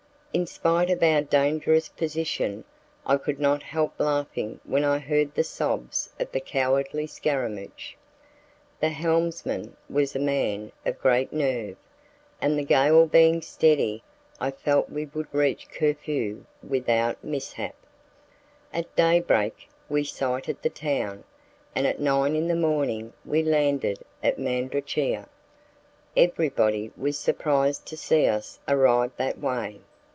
In spite of our dangerous position, I could not help laughing when I heard the sobs of the cowardly scaramouch. The helmsman was a man of great nerve, and the gale being steady I felt we would reach Corfu without mishap. At day break we sighted the town, and at nine in the morning we landed at Mandrachia. Everybody was surprised to see us arrive that way.